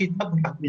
bila mereka kena itu